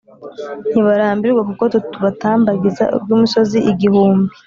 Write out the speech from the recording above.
Ntibarambirwa kuko tubatambagiza urw'imisozi igihumbi